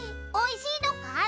おいしいのか？